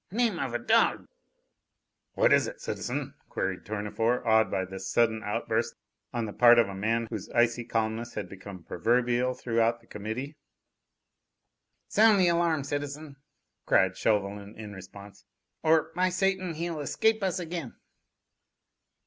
"Name of a dog!" "What is it, citizen?" queried Tournefort, awed by this sudden outburst on the part of a man whose icy calmness had become proverbial throughout the Committee. "Sound the alarm, citizen!" cried Chauvelin in response. "Or, by Satan, he'll escape us again!"